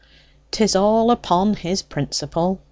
"'Tis all upon his principle.